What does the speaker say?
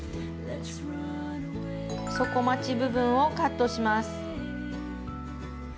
底まち部分をカットします。